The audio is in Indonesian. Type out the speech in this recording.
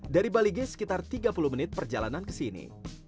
dari balige sekitar tiga puluh menit perjalanan ke sini